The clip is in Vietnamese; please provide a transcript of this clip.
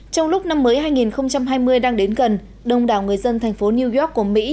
trong lúc năm mới hai nghìn hai mươi đang đến gần đông đảo người dân thành phố new york của mỹ